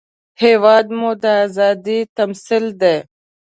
هېواد مو د ازادۍ تمثیل دی